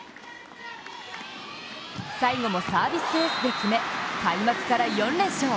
最後もサービスエースで決め、開幕から４連勝。